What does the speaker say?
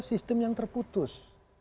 sistem yang terputus